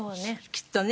きっとね。